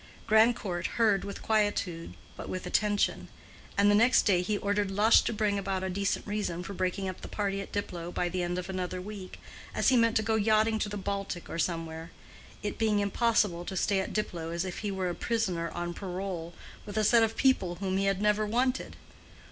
Grandcourt heard with quietude, but with attention; and the next day he ordered Lush to bring about a decent reason for breaking up the party at Diplow by the end of another week, as he meant to go yachting to the Baltic or somewhere—it being impossible to stay at Diplow as if he were a prisoner on parole, with a set of people whom he had never wanted.